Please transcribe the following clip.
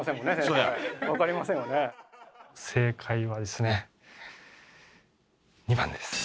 正解はですね２番です。